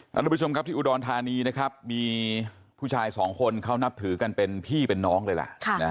ทุกผู้ชมครับที่อุดรธานีนะครับมีผู้ชายสองคนเขานับถือกันเป็นพี่เป็นน้องเลยล่ะ